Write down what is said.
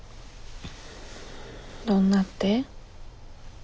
どんなって？